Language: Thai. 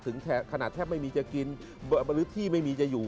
ขนาดแทบไม่มีจะกินหรือที่ไม่มีจะอยู่